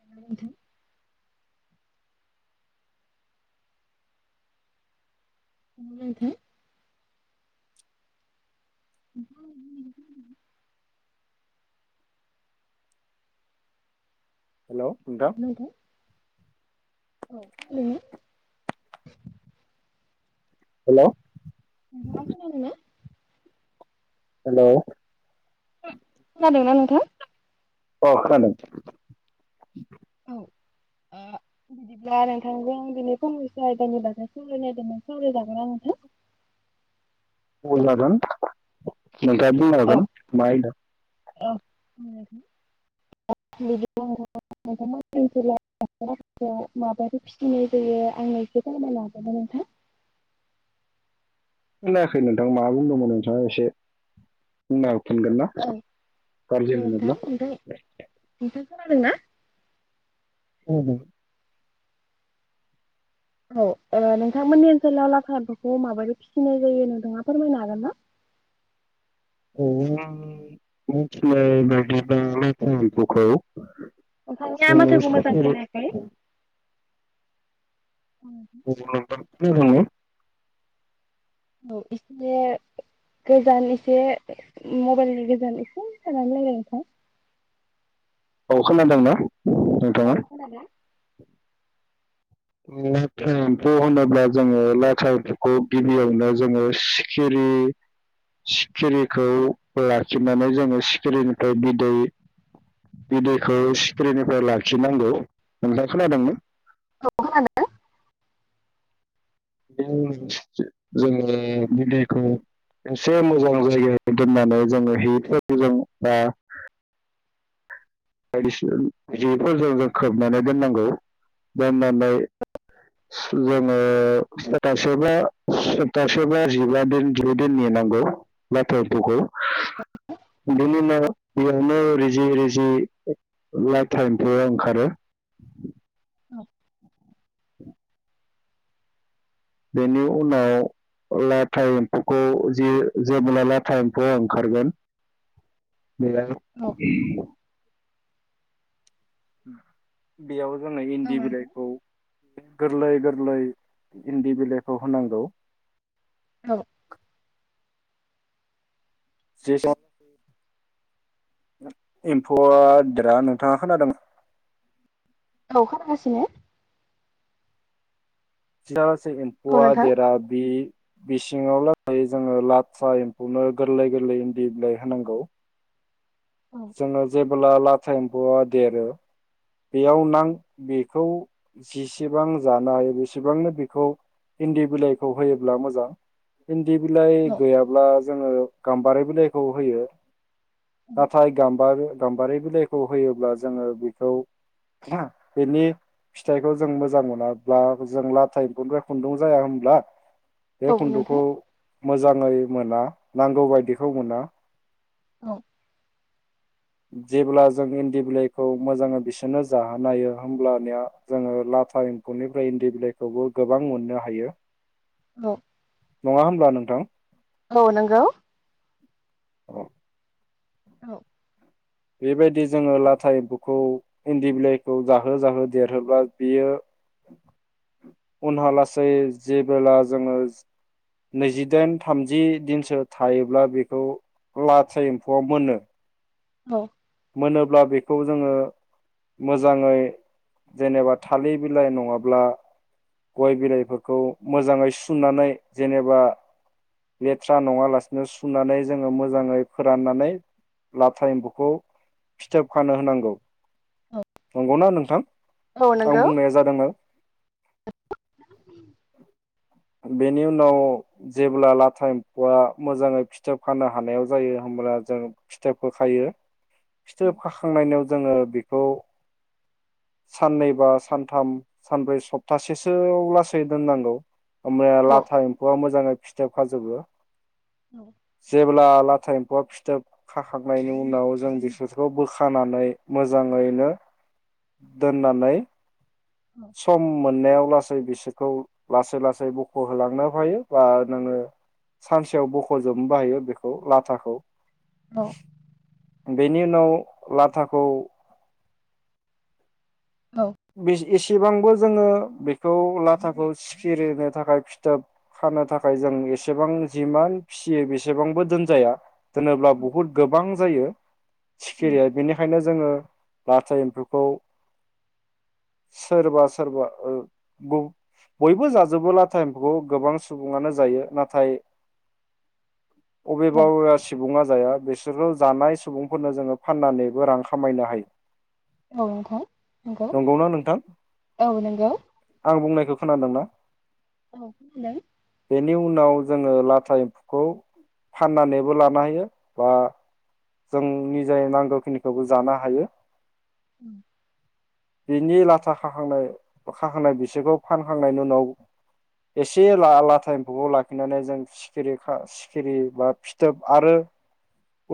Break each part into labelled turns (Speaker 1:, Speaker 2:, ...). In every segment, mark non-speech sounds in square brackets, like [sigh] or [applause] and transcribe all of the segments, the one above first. Speaker 1: Hello नोंथां मेथाइ
Speaker 2: hello नोंथां
Speaker 1: औ खोनादोंना
Speaker 2: हेलौ
Speaker 1: नोंथाङा खोनादोंना
Speaker 2: हेलौ
Speaker 1: खोनादोंना नोंथां?
Speaker 2: अ खोनादों
Speaker 1: औ ओ बिदिब्ला नोंथांजों [unintelligible] आयदानि बागै सावरायजागोन ना नोंथां?
Speaker 2: औ जागोन नोंथाङा बुंनोहागोन मा आइदा।
Speaker 1: [unintelligible] माबदि फिसिनाय जायो आंनो एसे फोरमायनो हागोनना नोंथां?
Speaker 2: खोनायाखै नोंथां मा बुंदोंमोन नोंथाङा एसे बुंना फिनगोन ना
Speaker 1: औ
Speaker 2: गाज्रि मोनोब्ला?
Speaker 1: खोनादों ना?
Speaker 2: [unintelligible]
Speaker 1: औ ओ नोंथांमोननि ओनसोलाव लाथा एमफौखौ माबोरै फिसिनाय जायो नोंथाङा फोरमायनो हागोन ना?
Speaker 2: ओ आं मिथिनाय बादिब्ला लाथा एम्फौ खौ
Speaker 1: नोंथांनिया माथोखौ मोजां खोनायाखै
Speaker 2: [unintelligible] [unintelligible]
Speaker 1: औ एसे गोजान एसे मबेलनि गोजान एसे जानानै रायलाय नोंथां।
Speaker 2: औ खोनादोंना? नोंथाङा
Speaker 1: औ खोनादों
Speaker 2: लाथा एम्फौ होनोब्ला जोङो लाथा एम्फौखौ गिबियावनो जोङो सिखिरि सिखिरिखौ लाखिनानै जोङो सिखिरिनिफ्राय बिदै बिदैखौ सिखिरिनिफ्राय लाखिनांगौ नोंथाआ खोनादों ना?
Speaker 1: औ खोनादों।
Speaker 2: [inaudible] जोङो बिदैखौ एसे मोजां जायगायाव दोननानै जोङो हिफोरजों बा बायदिसिना जिफोरजों जों खोबनानै दोननांगौ दोननानै जोङो सतासेबा सप्तासेबा जिबा दिन जिदुदिन नेनांगौ लाथा एम्फौखौ। बिनिनो बेयावनो रिजि रिजि लाथा एफौआ ओंखारो।
Speaker 1: औ
Speaker 2: [inaudible] बेनि उनाव लाथा एम्फौखौ जि जेबोला लाथा एम्फौआ ओंखारगोन [inaudible] बेयाव जोङो इन्दि
Speaker 1: नोंथां
Speaker 2: बिलाइखौ गोरलै गोरलै इन्दि बिलाइखौ होनांगौ।
Speaker 1: औ
Speaker 2: एम्फौआ देरा नोंथाङा खोनादों
Speaker 1: औ खोनागासिनो
Speaker 2: [inaudible] सै
Speaker 1: औ
Speaker 2: एम्फौआ
Speaker 1: नोंथां।
Speaker 2: देरा बि बिस जोङो लाथा एम्फुनो गोरलै गोरलै इन्दि बिलाइ होनांगौ।
Speaker 1: औ
Speaker 2: जोङो जेबोला ला था इम्फुआ देरो बेयाव नां बेखौ जिसेबां जानो हायो बेसेबांनो बेखौ इन्दि बिलाइखौ होयोब्ला मोजां इन दि बिलाइ गैयाब्ला जोङो गाम्बारि बिलाइखौ होयो नाथाय गाम्बारि गाम्बारि बिलाइखौ होयोब्ला जोङो बिखौ बिनि फिथाइखौ जों मोजां मोनाब्ला जों लाथाइम्फुनिफ्राय खुन्दुं जाया होनब्ला। बे खुन्दुखौ
Speaker 1: नोंथां
Speaker 2: मोजाङै मोना नांगौ बायदिखौ मोना
Speaker 1: औ।
Speaker 2: जेब्ला जों इन्दि बिलाइखौ मोजाङै बिसोनो जाहोनो हायो होमब्लनिया जोङो लाथा एम्फौनिफ्राय इन्दि बिलाइखौबो गोबां मोननो हायो।
Speaker 1: औ
Speaker 2: नङा होमब्ला नोंथां
Speaker 1: औ नोंगौ
Speaker 2: अह
Speaker 1: औ।
Speaker 2: बेबायदि जोङो लाथा एम्फौखौ इन्दि बिलाइखौ जाहो जाहो देरहोबा बियो उनहा लासै जेबोला जोङो नैजिदाइन थामजि दिनसो थायोब्ला बेखौ लाथा एम्फौआव मोनो।
Speaker 1: औ
Speaker 2: मोनोब्ला बेखौ जोङो मोजाङै जेनेबा थालिर बिलाइ नङाब्ला गय बिलाइफोरखौ मोजाङै सुनानै जेनेबा लेथ्रा नङालासिनो सुनानै जोङो मोजाङै फोराननानै लाथा एम्बुखौ फिथोब खानो होनांगौ
Speaker 1: औ
Speaker 2: नंगौना नोंथां
Speaker 1: औ
Speaker 2: आं
Speaker 1: नंगौ
Speaker 2: बुंनाया जादोंना बेनि उनाव जेब्ला लाथा एम्फौआ मोजाङै फिथोब खानो हानायाव जायो होमब्ला जों फिथोबखौ खायो फिथोब खाखांनायनाव जोङो बेखौ साननैबा सानथाम सानब्रै सप्तासेसो लासै दोननांगौ होमबाया
Speaker 1: औ
Speaker 2: लाथा एमफौआ मोजाङै फि फाजोबो जेब्ला ला एम्फौआ फिथोब खाखांनायनि उनाव जों बिसोरखौ बोखानानै मोजाङैनो दोननानै सम मोननायाव लासै लासै बिसोरखौ लासै लासै बख' होलांनो हायो बा नोङो सानसेयाव बख'जोबनोबो हायो बेखौ लाथाखौ
Speaker 1: औ
Speaker 2: बेनि उनाव लाथाखौ
Speaker 1: औ
Speaker 2: [unintelligible] इसेबांबो जोङो बेखौ लाथाखौ सिखिरिनि थाखाय फिथोब खानो थाखाय जों इसेबां जिमान फियो बेसेबांबो दोनजाया दोनोब्ला बुहुद गोबां जायो सिखिरिया बिनिखायनो जोङो लाथा एम्फौखौ सोरबा सोरबा बयबो जाजोबो लाथा एम्फौखौ गोबां सुबुङानो जायो नाथाय अबेबा
Speaker 1: औ
Speaker 2: अबेबा सुबुङा जाया बिसोरो जानाय सुबुंफोरनो जोङो फाननानैबो रां खामायनो हायो
Speaker 1: औ नोंथां नंगौ
Speaker 2: नोंगौना ना नोंथां
Speaker 1: औ नंगौ
Speaker 2: आं बुंनायखौ खोनादोंना
Speaker 1: औ [unintelligible]
Speaker 2: बिनि उनाव जोङो लाथा एम्फौखौ फाननानैबो लानो हायो बा जों निजे नांगौखिनिखौबो जानो हायो
Speaker 1: ओम
Speaker 2: बिनि लाथा खाखांनाय खाखांनाय बिसोरखौ फानखांनायनि उनाव एसे लाथा एम्फौखौ लाखिनानै जों सिखिरि सिखिरि बा फिथोब आरो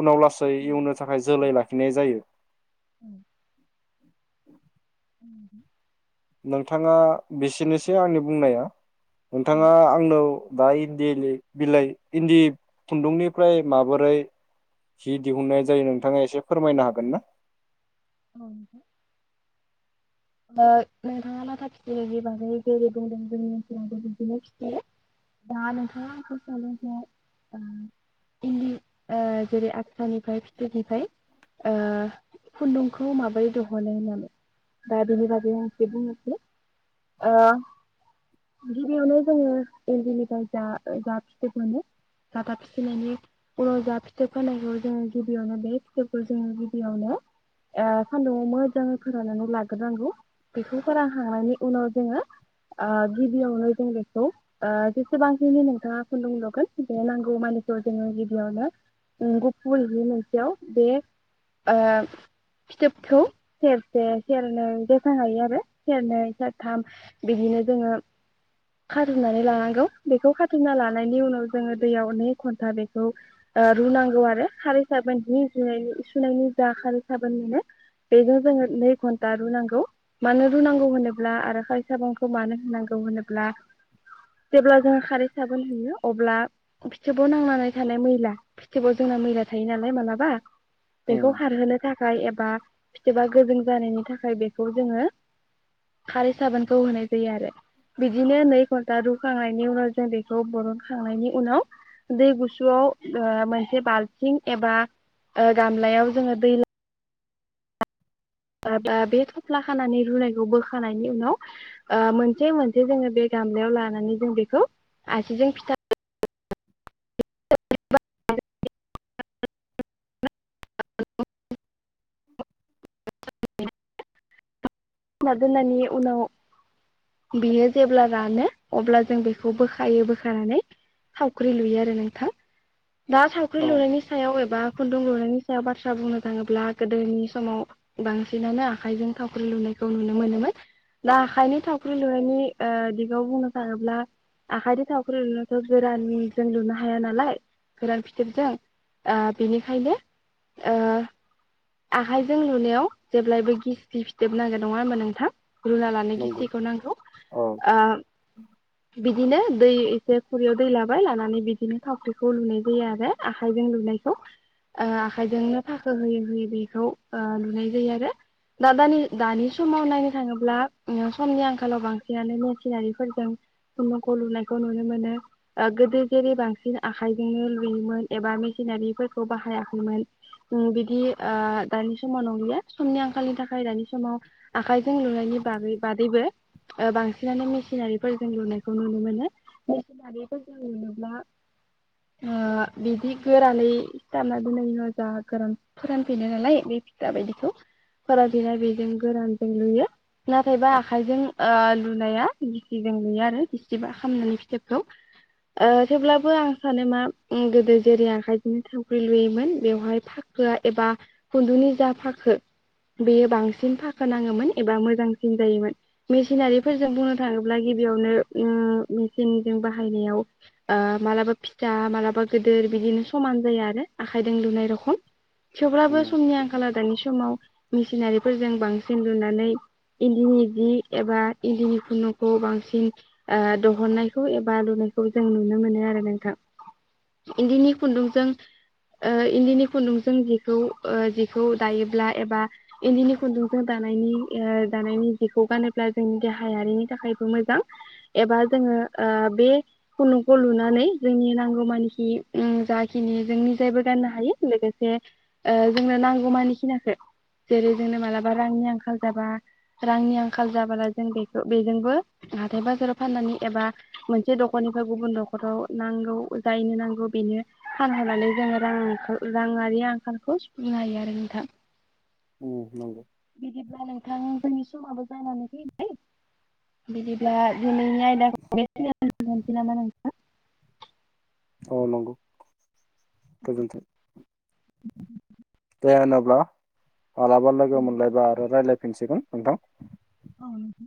Speaker 2: उनाव लासै एवनो थाखाय जोलै लाखिनाय जायो नोंथाङा बेसेनोसै आंनि बुंनाया नोंथाङा आंनाव दा इन्दि बिलाइ इन्दि खुन्दुंनिफ्राय माबोरै जि दिहुननाय जायो नोंथाङा एसे फोरमायनो हागोन ना?
Speaker 1: औ नोंथां नोंथाङा लाथा फिथनि बागै जेरै बुंदों जोंनि ओनसोलावबो बिदिनो फिसियो दा नोंथाङा आंखौ [inaudible] इन्दि‌ ओ जेरै [inaudible] फिथोबनिफ्राय ओ खुन्दुंखौ माबोरै दिहुनो होननानै दा बेनि बागै आं एसे बुंनोसै ओ गिबियावनो जोङो इन्दिनिफ्राय जा -जा फिथोब मोनो [inaudible] फिथोब खानायखौ जों गिबियावनो बे फिथोबखौ जोङो गिबियावनो ओ सान्दुंआव मोजाङै फोराननानै [unintelligible] [unintelligible] बेखौ फोरानखांनायनि उनाव जोङो ओ गिबियावनो जों बेखौ ओ जेसेबांखिनि नोंथाङा खुन्दुं लुगोन बे नांगौ मानिखौ जोङो गिबियावनो गुफुर जि मोनसेयाव ओ बे फिथोबखौ सेर सेर सेरनै जेसां हायो आरो सेरनै सेरथाम बिदिनो जोङो खारुमनानै लानांगौ बेखौ खाथुमना लानायनि उनाव जोङो दैयाव नै घन्टा बेखौ ओ रुनांगौ आरो खारै साबोननि जु सुनायनि जा खारै साबोन मोनो बेजों जोङो नै [unintelligible] [unintelligible] रुनांगौ मानो रुनांगौ होनोब्ला आरो खारै साबोनखौ मानो होनांगौ होनोब्ला जेब्ला जोंङो खारै साबोन होयो अब्ला फिथोबाव नांनानै थानाय मैला फिथोबाव जोंना मैला थायो नालाय मालाबा बेखौ खारहोनो थाखाय एबा फिथोबा गोजोन जानायनि [unintelligible] थाखाय बेखौ जोङो खारै साबोनखौ होनाय जायो आरो बिदिनो नै घन्टा रुखांनायनि उनाव जों बेखौ बरनखांनायनि उनाव दै गुसुआव ओ मोनसे बाल्थिं एबा गामलायाव जोङो दै बे थफ्ला खानानै रुनायखौ बोखांनायनि उनाव मोनसे -मोनसे जोङो बे गामलायाव लानानै जों बेखौ आसिजों फिथा [unintelligible]
Speaker 2: [unintelligible]
Speaker 1: दोननायनि उनाव बियो जेब्ला रानो अब्ला जों बेखौ बोखायो बोखानानै थावख्रि लुयो आरो नोंथां। दा थावख्रि
Speaker 2: औ
Speaker 1: लुनायनि सायाव एबा खुन्दुं लुनायनि सायाव बाथ्रा बुंनो थाङोब्ला गोदोनि समाव बांसिनानो आखाइजों थावख्रि लुनाय [unintelligible] नुनो मोनोमोन दा आखाइनि थावख्रि लुनायनि ओ दिगाव बुंनो थाङोब्ला आखाइनि थावख्रि लुनायावथ' गोरानजों लुनो हाया नालाय गोरान फिथोबजों ओ बेनिखायनो ओ आखाइजों लुनायाव जेब्लायबो गिसि फिथोब [unintelligible] नङा होनोबा नोंथां। रुला लानो
Speaker 2: नंगौ
Speaker 1: गिसिखौ नांगौ
Speaker 2: औ
Speaker 1: ओ बिदिनो दै एसे खुरियाव दै लाबाय लानानै बिदिनो थावख्रिखौ लुनाय जायो आरो आखाइजों लुनायखौ ओ आखायजोंनो फाखो होयै -होयै बेखौ लुनाय जायो आरो दा -दानि -दानि समाव नायनो थाङोब्ला समनि आंखालाव बांसिनानो मेसिनारिफोरजों सम'खौ लुनायखौ नुनो मोनो। गोदो जेरै बांसिन आखायजोंनो लुयोमोन एबा मेसिनारिफोरखौ बाहायाखैमोन बिदि ओ दानि समाव नंलिया समनि आंखालनि थाखाय दानि समाव आखाइ जों लुनायनि बागै बादैबो बांसिनानो मेसिनारिफोरजों लुनायखौ नुनो मोनो। मेसिनारिफोरजों लुनोब्ला ओ बिदि गोरानै सिथाबना दोननायनि उाव जा गोरान फोरानफिनो नालाय बे फिथा बायदिखौ फोरानफिनाय बेजों गोरान लुयो नाथायबा आखायजों ओ लुनाया गिसिजों लुयो आरो गिसिबा खालामनानै फिथोबखौ थेवब्लाबो आं सानो मा गोदो जेरै आखायजोंनो सावख्रि लुयोमोन बेवहाय फाखोआ एबा खुन्दुंनि जा फाखो बेयो बांसिन फाखो फोनाङोमोन एबा मोजांसिन जायोमोन। मेसिनारिफोरजों बुंनो थाङोब्ला गिबियावनो मेचनजों बाहायनायाव मालाबा फिथा मालाबा गिदोर बिदिनो समान जाया आरो आखाइजों लुनाय रखम। थेवब्लाबो
Speaker 2: उम
Speaker 1: समनि आंखाालाव दानि समाव मेसिनारि [unintelligible] जों बांसिन [unintelligible] लुनानै इन्दिनि जि एबा इन्दिनि खुन्दुंखौ बांसिन ओ दिहुननायखौ एबा लुनायखौ जों नुनो मोनो आरो नोंथां। इन्दिनि खुन्दुंजों इन्दिनि खुन्दुंजोंखौ ओ जिखौ -जिखौ दायोब्ला एबा इन्दिनि खुन्दुं दानायनि- दानायनि जिखौ गानोब्ला जोंनि देहायारिनि थाखायबो मोजां एबा जोङो ओ बे खुन्दुंखौ लुनानै जोंनि नांगौमानिखि जाखिनि जोंनि जायबो गाननो हायो लोगोसे ओ जोंनो नांगौमानि खिनाखौ जेरै जोंनो मालाबा रांनि आंखाल जाबा रांनि आंखाल जाबला जों बेखौ बेजोंबो हाथाय बाजाराव फाननानै एबा मोनसे दखरनिफ्राय गुबुन दखराव नांगौ जायैनो नांगौ बेनो फानहरनानै जोङो रां -राङारि आंखालखौ सुफुंनो हायो आरो नोंथां।
Speaker 2: उम नंगौ।
Speaker 1: बिदिब्ला नोंथां जोंनि समाबो जानानै फैबाय बिदिब्ला दिनै [unintelligible]
Speaker 2: औ नंगौ गोजोनथों। दे होनोब्ला मालाबा लोगो
Speaker 1: औ
Speaker 2: मोनलायबा आरो रायज्लायफिनसिगोन। नोंथां।
Speaker 1: औ नोंथां।